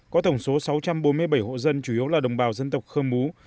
có tổng số sáu trăm bốn mươi bảy hộ dân chủ yếu là đồng bào dân tộc khơ mú